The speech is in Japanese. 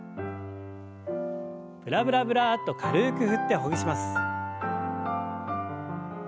ブラブラブラッと軽く振ってほぐします。